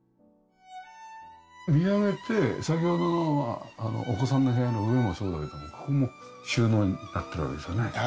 見上げて先ほどのお子さんの部屋の上もそうだけどもここも収納になってるわけですよね。